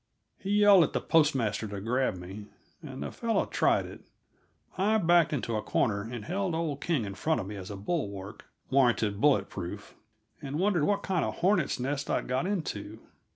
He yelled to the postmaster to grab me, and the fellow tried it. I backed into a corner and held old King in front of me as a bulwark, warranted bullet proof, and wondered what kind of a hornet's nest I'd got into.